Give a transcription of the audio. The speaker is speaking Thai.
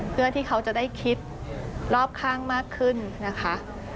เพื่อที่เขาจะได้คิดรอบข้างมากขึ้นนะคะ